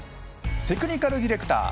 テクニカルディレクター。